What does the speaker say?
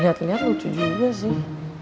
lihat lihat lucu juga sih